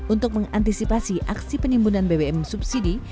untuk mengantisipasi aksi penimbunan bbm subsidi